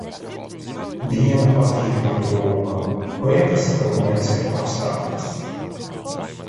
Diena patīkami drūma. Liekas, ka rudens ir apstājies.